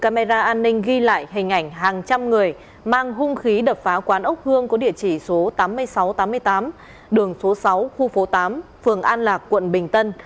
mang hung khí đập phá quán ốc hương có địa chỉ số tám nghìn sáu trăm tám mươi tám đường số sáu khu phố tám phường an lạc quận bình tân